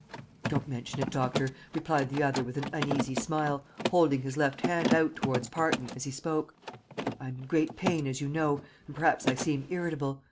"Don't mention it, doctor," replied the other, with an uneasy smile, holding his left hand out towards Parton as he spoke. "I am in great pain, as you know, and perhaps I seem irritable.